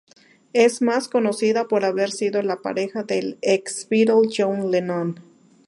Es más conocida por haber sido la pareja del ex-Beatle John Lennon.